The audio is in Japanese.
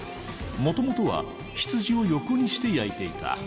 もともとは羊を横にして焼いていた。